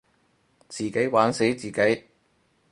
自己玩死自己